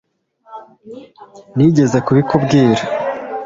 Nigeze kubikubwira